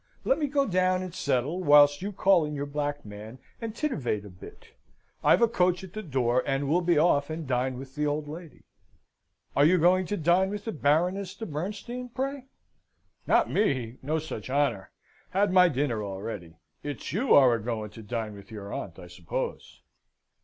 Let me go down and settle whilst you call in your black man and titivate a bit. I've a coach at the door, and we'll be off and dine with the old lady." "Are you going to dine with the Baroness de Bernstein, pray?" "Not me no such honour. Had my dinner already. It's you are a going to dine with your aunt, I suppose?"